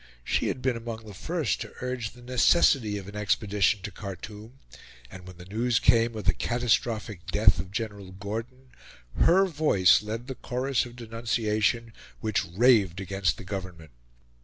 She had been among the first to urge the necessity of an expedition to Khartoum, and, when the news came of the catastrophic death of General Gordon, her voice led the chorus of denunciation which raved against the Government.